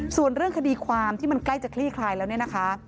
ส่วนเรื่องคดีความที่มันใกล้จะคลี่คลายแล้วเนี่ยนะคะ